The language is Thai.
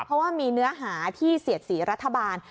เพราะว่ามีเนื้อหาที่เสียดสีรัฐบาล